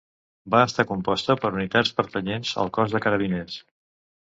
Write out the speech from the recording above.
Va estar composta per unitats pertanyents al Cos de Carabiners.